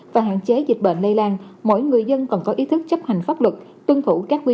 và hạn chế dịch bệnh lây lan mỗi người dân còn có ý thức chấp hành pháp luật tuân thủ các quy